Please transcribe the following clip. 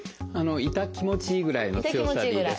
痛気持ちいいぐらいの強さでいいです。